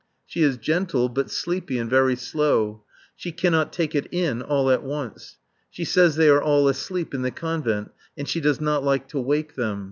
She is gentle but sleepy and very slow. She cannot take it in all at once. She says they are all asleep in the Convent, and she does not like to wake them.